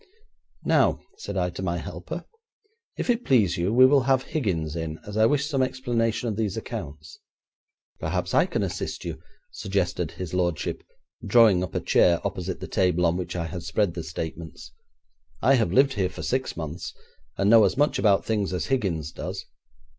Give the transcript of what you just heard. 'Now,' said I to my helper, 'if it please you, we will have Higgins in, as I wish some explanation of these accounts.' 'Perhaps I can assist you,' suggested his lordship drawing up a chair opposite the table on which I had spread the statements. 'I have lived here for six months, and know as much about things as Higgins does.